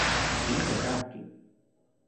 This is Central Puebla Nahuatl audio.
Nikan kajki.